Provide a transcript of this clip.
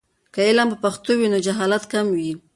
که علم په پښتو وي، نو جهالت کم وي.